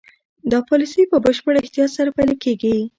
دا پالیسي په بشپړ احتیاط سره پلي کېږي.